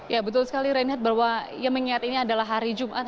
ya betul sekali reinhardt bahwa yang mengingat ini adalah hari jumat